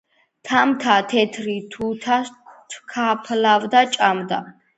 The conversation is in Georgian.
.თამთა თეთრ თუთას თქაფთქაფით ჭამდა